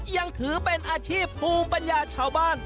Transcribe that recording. ยังถือเป็นอาชีพภูมิปัญญาชาวบ้าน